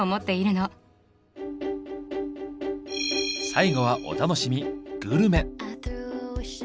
最後はお楽しみ「グルメ」。